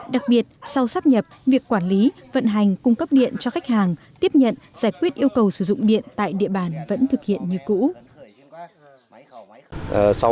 đặc biệt sau sắp nhập việc quản lý vận hành cung cấp điện cho khách hàng tiếp nhận giải quyết yêu cầu sử dụng điện tại địa bàn vẫn thực hiện như cũ